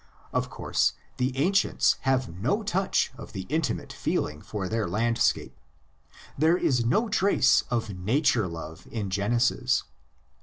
Of course, the ancients have no touch of the intimate feeling for the landscape; there is no trace of nature love in Genesis.